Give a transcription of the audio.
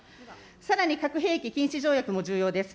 さらに核兵器禁止条約も重要です。